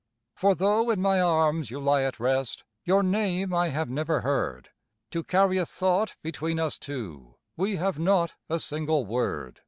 For though in my arms you lie at rest, your name I have never heard, To carry a thought between us two, we have not a single word.